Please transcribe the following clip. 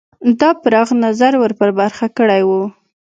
دا پراخ نظر ور په برخه کړی وو.